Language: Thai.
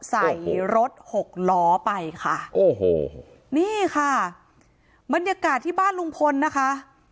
ใส่รถหกล้อไปค่ะโอ้โหนี่ค่ะบรรยากาศที่บ้านลุงพลนะคะ